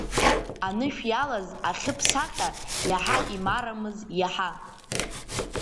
Анышә иалаз ахьы-ԥсаҟьа иаҳа имарамыз, иаҳа.